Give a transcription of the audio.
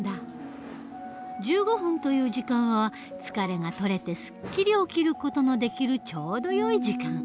１５分という時間は疲れが取れてすっきり起きる事のできるちょうどよい時間。